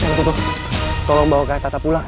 tentu tuh tolong bawa kak tata pulang